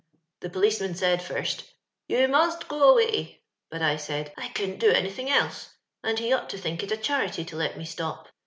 The polioaman aaid fiist ' You must go away,' but I said, * I eooUbit do anythiog eke, and ha ought to think it a charity to let me stop.'